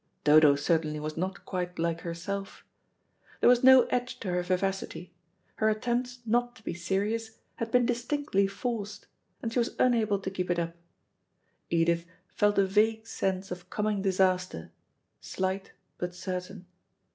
Dodo certainly was not quite like herself. There was no edge to her vivacity: her attempts not to be serious had been distinctly forced, and she was unable to keep it up. Edith felt a vague sense of coming disaster; slight but certain.